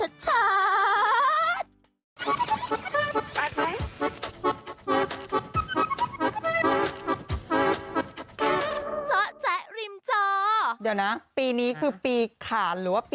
เดี๋ยวนะปีนี้คือปีขาว